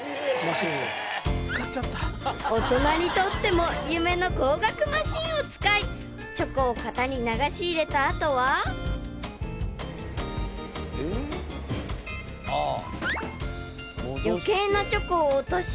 ［大人にとっても夢の高額マシンを使いチョコを型に流し入れた後は］でもひょっとしたら。